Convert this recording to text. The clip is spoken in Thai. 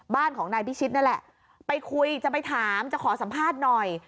บ้านของนายพิชิตนั่นแหละไปคุยจะไปถามจะขอสัมภาษณ์หน่อย